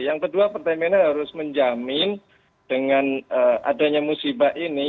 yang kedua pertamina harus menjamin dengan adanya musibah ini